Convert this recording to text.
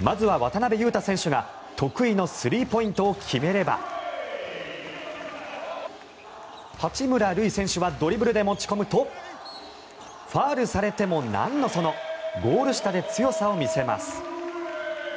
まずは渡邊雄太選手が得意のスリーポイントを決めれば八村塁選手はドリブルで持ち込むとファウルされてもなんのそのゴール下で強さを見せます。